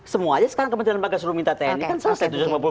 semua aja sekarang kementerian pakai suruh minta tni kan selesai